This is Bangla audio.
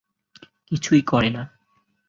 কিছুই করে না।